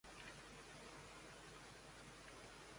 El general Benjamin Foulois.